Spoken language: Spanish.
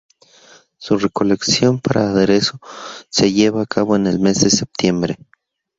Su recolección para aderezo se lleva a cabo en el mes de septiembre.